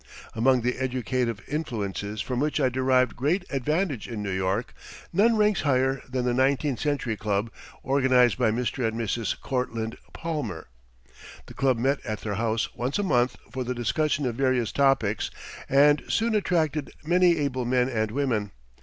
Among the educative influences from which I derived great advantage in New York, none ranks higher than the Nineteenth Century Club organized by Mr. and Mrs. Courtlandt Palmer. The club met at their house once a month for the discussion of various topics and soon attracted many able men and women.